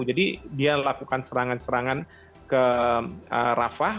dia lakukan serangan serangan ke rafah